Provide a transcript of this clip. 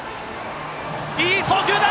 いい送球だ！